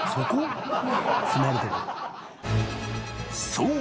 ［そう！